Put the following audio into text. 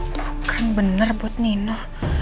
bukan bener buat nino